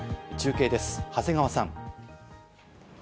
中継です、長谷川さん。